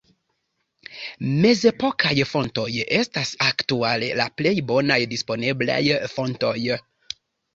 Mezepokaj fontoj estas aktuale la plej bonaj disponeblaj fontoj.